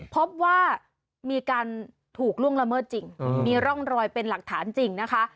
พบว่ามีการถูกล่วงละเมิดจริงมีร่องรอยเป็นหลักฐานจริงนะคะ